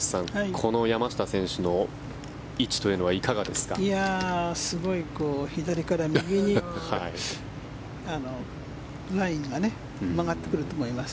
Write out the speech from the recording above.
この山下選手の位置というのはすごい、左から右にラインが曲がってくると思います。